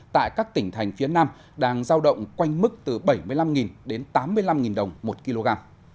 tại các tỉnh thành phía nam đang giao động quanh mức từ bảy mươi năm đến tám mươi năm đồng một kg